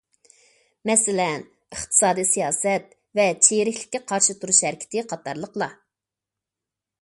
مەسىلەن، ئىقتىسادىي سىياسەت ۋە چىرىكلىككە قارشى تۇرۇش ھەرىكىتى قاتارلىقلار.